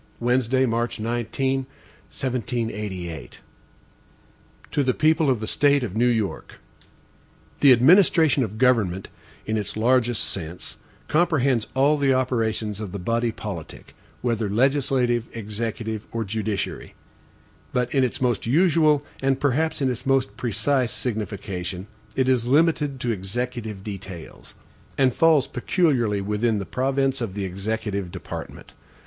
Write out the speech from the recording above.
Wednesday, March 19, 1788. HAMILTON To the People of the State of New York: THE administration of government, in its largest sense, comprehends all the operations of the body politic, whether legislative, executive, or judiciary; but in its most usual, and perhaps its most precise signification. it is limited to executive details, and falls peculiarly within the province of the executive department.